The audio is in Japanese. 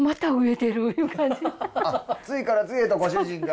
次から次へとご主人が。